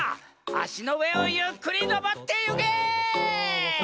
あしのうえをゆっくりのぼってゆけ！